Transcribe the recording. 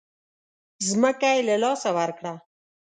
ځمکه یې له لاسه ورکړه.